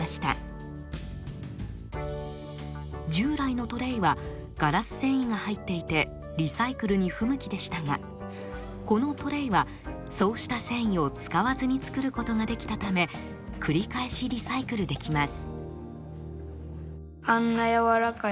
従来のトレイはガラス繊維が入っていてリサイクルに不向きでしたがこのトレイはそうした繊維を使わずに作ることができたため繰り返しリサイクルできます。